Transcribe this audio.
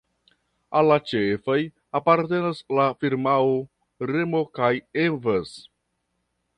Al la ĉefaj apartenas la firmaoj "Remo" kaj "Evans".